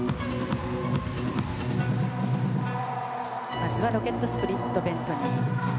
まずはロケットスプリットベントニー。